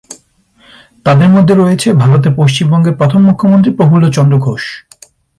তাদের মধ্যে রয়েছে ভারতের পশ্চিমবঙ্গের প্রথম মুখ্যমন্ত্রী প্রফুল্লচন্দ্র ঘোষ।